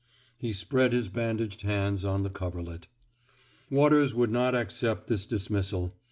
'* He spread his bandaged hands on the coverlet. Waters would not accept this dismissal.